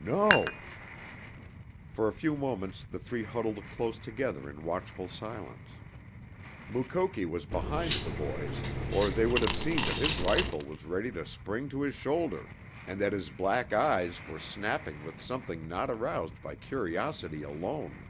"No." For a few moments the three huddled close together in watchful silence. Mukoki was behind the boys or they would have seen that his rifle was ready to spring to his shoulder and that his black eyes were snapping with something not aroused by curiosity alone.